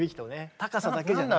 高さだけじゃなくてね。